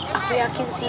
aku yakin sih